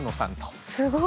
すごい。